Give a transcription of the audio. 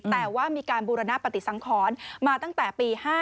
แต่ว่ามีการบูรณปฏิสังขรมาตั้งแต่ปี๕๗